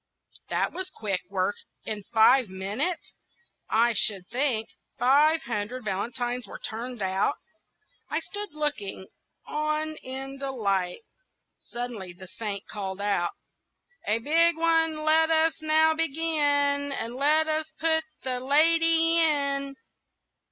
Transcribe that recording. That was quick work! in five minutes, I should think, five hundred valentines were turned out. I stood looking on in delight. Suddenly the Saint called out,— "A big one let us now begin, And let us put the lady in!"